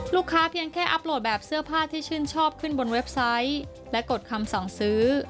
เพียงแค่อัพโหลดแบบเสื้อผ้าที่ชื่นชอบขึ้นบนเว็บไซต์และกดคำสั่งซื้อ